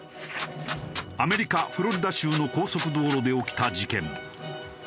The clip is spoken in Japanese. アメリカフロリダ州の高速道路で起きた事件。